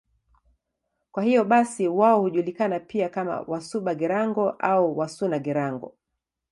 Kwa hiyo basi wao hujulikana pia kama Wasuba-Girango au Wasuna-Girango.